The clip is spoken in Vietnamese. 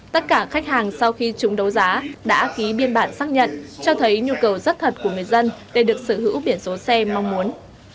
tất cả khách hàng sau khi chúng đấu giá đã ký biên bản xác nhận cho thấy nhu cầu rất thật của người dân để được sở hữu biển số xe mong muốn